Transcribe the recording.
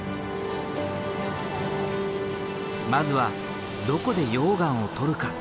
まずはどこで溶岩を採るか？